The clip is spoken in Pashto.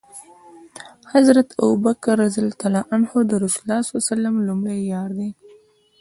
حضرت ابوبکر ص د رسول الله ص لمړی یار دی